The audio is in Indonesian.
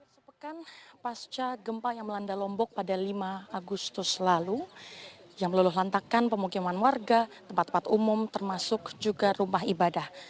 sepekan pasca gempa yang melanda lombok pada lima agustus lalu yang meluluh lantakan pemukiman warga tempat tempat umum termasuk juga rumah ibadah